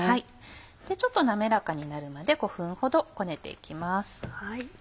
滑らかになるまで５分ほどこねて行きます。